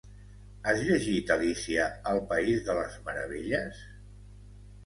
Has llegit Alicia al País de les Meravelles?